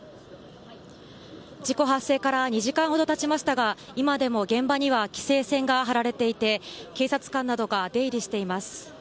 事故発生から２時間ほどたちましたが、今でも現場には規制線が張られていて、警察官などが出入りしています。